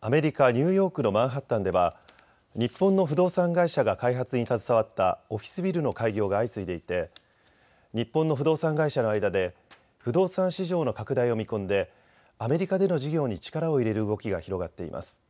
アメリカ・ニューヨークのマンハッタンでは日本の不動産会社が開発に携わったオフィスビルの開業が相次いでいて日本の不動産会社の間で不動産市場の拡大を見込んでアメリカでの事業に力を入れる動きが広がっています。